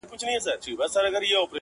یو د بل په کور کي تل به مېلمانه وه٫